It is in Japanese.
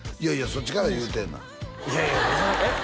そっちから言うてえないやいやえっ？